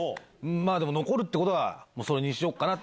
まぁでも残るってことはそれにしようかな！